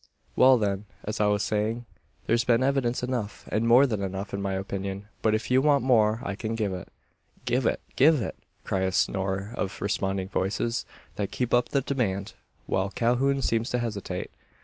"Well, then, as I was saying, there's been evidence enough and more than enough, in my opinion. But if you want more, I can give it." "Give it give it!" cry a score of responding voices; that keep up the demand, while Calhoun seems to hesitate.